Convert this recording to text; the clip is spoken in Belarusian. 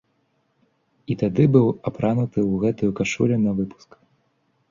І тады быў апрануты ў гэтую кашулю навыпуск.